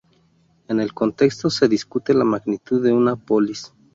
En el contexto se discute la magnitud de una polis.